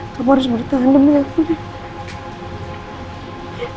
kamu harus bertahan demi aku